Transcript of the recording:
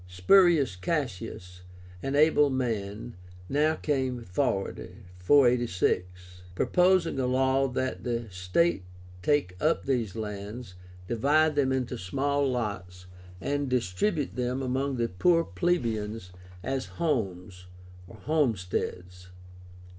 SPURIUS CASSIUS, an able man, now came forward (486?), proposing a law that the state take up these lands, divide them into small lots, and distribute them among the poor plebeians as homes (homesteads).